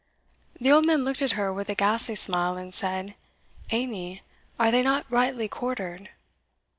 The old man looked at her with a ghastly smile, and said, "Amy, are they not rightly quartered?"